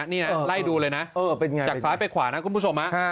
นี่ไล่ดูเลยนะจากซ้ายไปขวานะคุณผู้ชม